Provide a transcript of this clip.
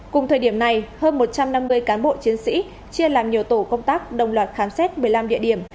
cùng thời điểm này hơn một trăm năm mươi cán bộ chiến sĩ chia làm nhiều tổ công tác đồng loạt khám xét một mươi năm địa điểm